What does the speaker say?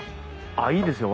ああいいですよ。